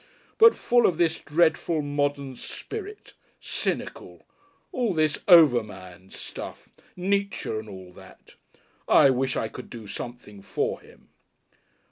But full of this dreadful Modern Spirit Cynical! All this Overman stuff. Nietzsche and all that.... I wish I could do something for him."